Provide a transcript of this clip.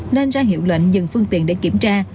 nên ra hiệu lệnh dừng phương tiện để kiểm tra